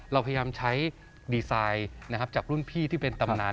เราพยายามใช้ดีไซน์นะครับจากรุ่นพี่ที่เป็นตำนาน